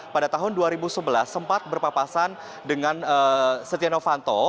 pada tahun dua ribu sebelas sempat berpapasan dengan setia novanto